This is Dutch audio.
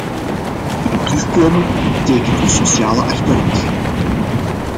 Hierop terugkomen betekent een sociale achteruitgang.